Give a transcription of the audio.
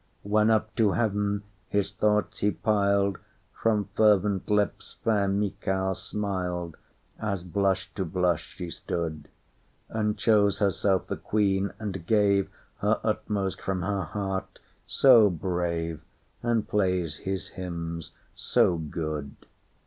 When up to heaven his thoughts he piled, From fervent lips fair Michal smiled, As blush to blush she stood; And chose herself the queen, and gaveHer utmost from her heart—'so brave, And plays his hymns so good.